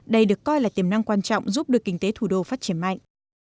đây được coi là tiềm năng quan trọng giúp được kinh tế thủ đô phát triển mạnh